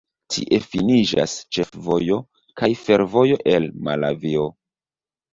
Tie finiĝas ĉefvojo kaj fervojo el Malavio.